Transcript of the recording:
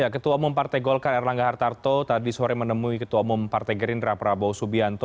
ketua umum partai golkar erlangga hartarto tadi sore menemui ketua umum partai gerindra prabowo subianto